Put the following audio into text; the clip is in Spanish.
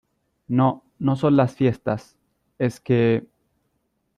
no, no son las fiestas , es que...